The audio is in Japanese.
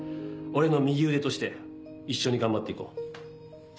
俺の右腕として一緒に頑張って行こう。